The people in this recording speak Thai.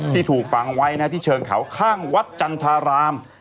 ที่ถูกฝังไว้นะที่เชิงเขาข้างวัดจันทราราม